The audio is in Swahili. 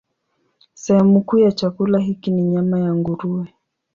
Sehemu kuu ya chakula hiki ni nyama ya nguruwe.